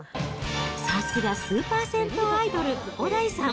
さすがスーパー銭湯アイドル、小田井さん。